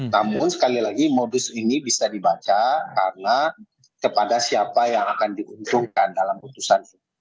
namun sekali lagi modus ini bisa dibaca karena kepada siapa yang akan diuntungkan dalam putusan itu